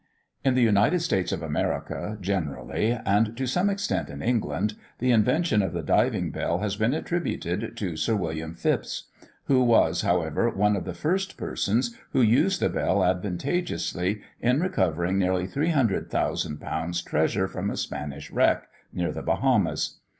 In the United States of America, generally, and to some extent in England, the invention of the diving bell has been attributed to Sir William Phipps; who was, however, one of the first persons who used the bell advantageously, in recovering nearly 300,000l. treasure from a Spanish wreck, near the Bahamas.